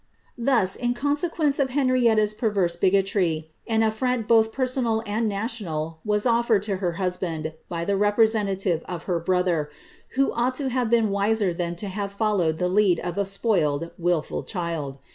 ^' Thus, in consequence of Henrietta's penrerae bigotry, an affront both personal and national was offered to her hus band by the representative of her brother, who ought to have been wiser than to have followed the lead of a spoiled, wilful child.